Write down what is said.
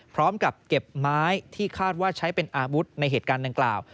พร้อมกับเก็บไม้ที่คาดว่าใช้เป็นอาวุธในเหตุการณ์ดังกล่าว